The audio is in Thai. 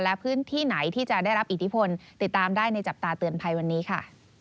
และพื้นที่ไหนที่จะได้รับอิทธิพลติดตามได้ในจับตาเตือนภัยวันนี้ค่ะ